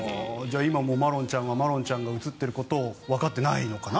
今もまろんちゃんはまろんちゃんが映っていることをわかってないのかな？